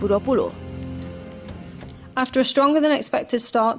setelah mulai tahun dua ribu dua puluh tiga yang lebih kuat daripada yang diharapkan